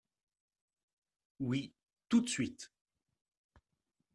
Oui, tout de suite.